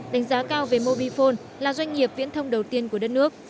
đánh giá cao về mobifone là doanh nghiệp viễn thông đầu tiên của đất nước